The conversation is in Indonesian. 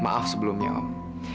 maaf sebelumnya om